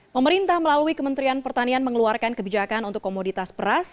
pemerintah melalui kementerian pertanian mengeluarkan kebijakan untuk komoditas beras